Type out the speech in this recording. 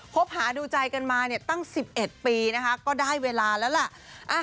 คบหาดูใจกันมาตั้ง๑๑ปีนะคะก็ได้เวลาแล้วล่ะ